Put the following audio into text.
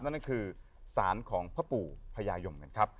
นั่นก็คือศาลของพระปู่พญายมนะครับ